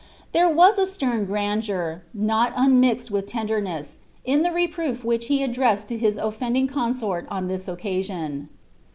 Thrre was ■ Btem grandeur, not unmixed with tenderness, in the ;>r>.>uf wliich be addressed to his oflending consort on this occasion.